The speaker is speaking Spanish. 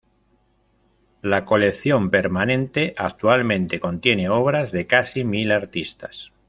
La colección permanente actualmente contiene obras de casi mil artistas.